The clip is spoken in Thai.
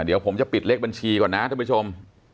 เดี๋ยวผมจะปิดเลขบัญชีก่อนนะท่านผู้ชม